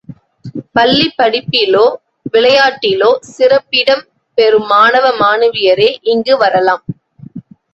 பள்ளிப் படிப்பிலோ, விளையாட்டிலோ சிறப்பிடம் பெறும் மாணவ, மாணவியரே இங்கு வரலாம்.